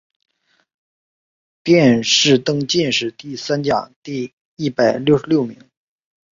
殿试登进士第三甲第一百六十六名。